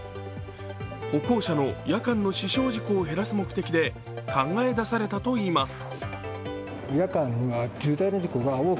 歩行者の夜間の死傷事故を減らす目的で考え出されたといいます。